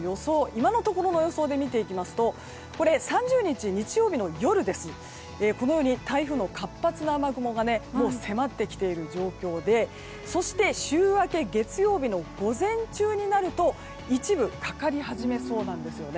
今のところの予想で見てみますと３０日、日曜日の夜このように台風の活発な雨雲が迫ってきている状況でそして週明け月曜日の午前中になると一部、かかり始めそうなんです。